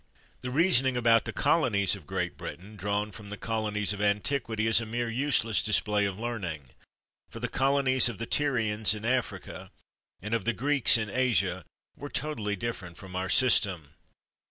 The reasoning about the colonies of Great Britain, drawn from the colonies of antiquity, is a mere useless display of learning; for the colonies of the Tyrians in Africa, and of the Greeks in Asia, were totally different from our system.